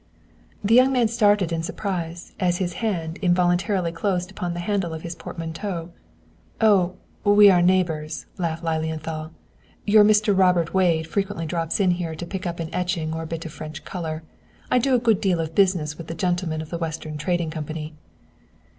The young man started in surprise, as his hand involuntarily closed upon the handle of his portmanteau. "Oh, we are neighbors," laughed Lilienthal. "Your Mr. Robert Wade frequently drops in here to pick up an etching or a bit of French color. I do a good deal of business with the gentlemen of the Western Trading Company."